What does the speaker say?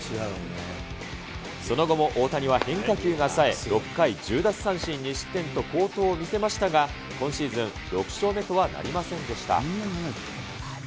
その後も大谷は変化球がさえ、６回１０奪三振２失点と好投を見せましたが、今シーズン６勝目とはなりませんでした。